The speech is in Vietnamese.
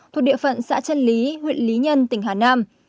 thuộc địa phận xã trân lý huyện lý nhân tỉnh hà nam